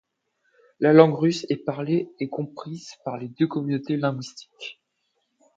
La langue russe est parlée et comprise par les deux communautés linguistiques.